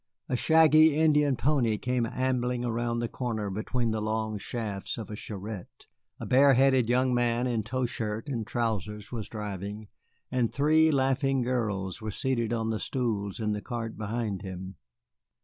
A shaggy Indian pony came ambling around the corner between the long shafts of a charette. A bareheaded young man in tow shirt and trousers was driving, and three laughing girls were seated on the stools in the cart behind him.